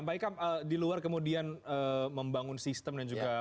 pak ika di luar kemudian membangun sistem